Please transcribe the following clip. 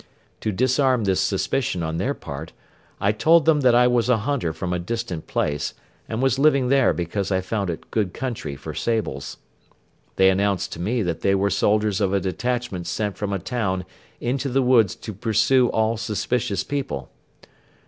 To disarm this suspicion on their part, I told them that I was a hunter from a distant place and was living there because I found it good country for sables. They announced to me that they were soldiers of a detachment sent from a town into the woods to pursue all suspicious people.